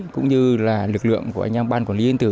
cũng như lực lượng của ban quản lý yên tử